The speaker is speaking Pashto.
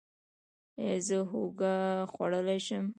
ایا زه هوږه خوړلی شم؟